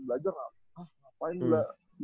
belajar apa ngapain lu